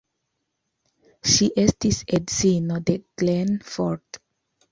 Ŝi estis edzino de Glenn Ford.